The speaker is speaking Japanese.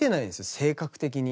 性格的に。